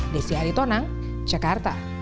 desy haritonang jakarta